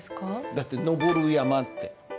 だって「登る山」って。